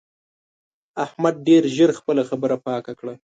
احمد ډېر ژر خپله خبره پاکه کړه.